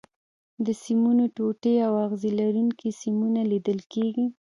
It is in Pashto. د سیمونو ټوټې او اغزي لرونکي سیمونه لیدل کېږي.